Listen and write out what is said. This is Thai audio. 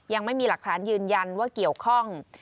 ยังไม่มีหลักฐานยืนยันว่าเกี่ยวข้อง